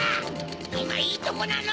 いまいいとこなの！